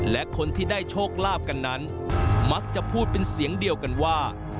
และคนที่ได้โชคลาภกันนั้นมักจะพูดเป็นเสียงเดียวกันว่า